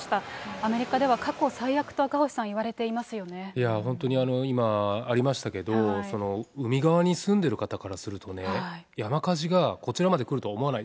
アメリカでは過去最悪と、本当に今ありましたけど、海側に住んでる方からするとね、山火事がこちらまで来るとは思わない。